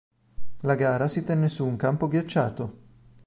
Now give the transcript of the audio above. La gara si tenne su un campo ghiacciato.